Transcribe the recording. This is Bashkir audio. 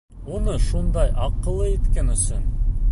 Уны шундай аҡыллы иткән өсөн!